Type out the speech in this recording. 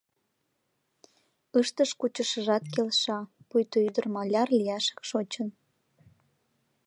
Ыштыш-кучышыжат келша, пуйто ӱдыр маляр лияшак шочын.